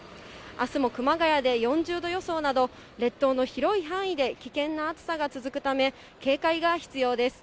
あすも熊谷で４０度予想など、列島の広い範囲で危険な暑さが続くため、警戒が必要です。